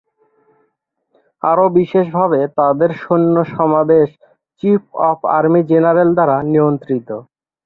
আরো বিশেষভাবে, তাদের সৈন্য-সমাবেশ চীফ অফ আর্মি জেনারেল দ্বারা নিয়ন্ত্রিত।